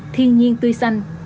thiên nhiên tươi xanh